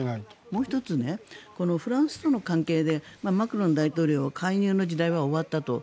もう１つフランスとの関係でマクロン大統領が介入の時代は終わったと。